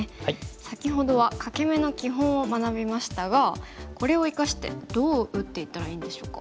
先ほどは欠け眼の基本を学びましたがこれを生かしてどう打っていったらいいんでしょうか？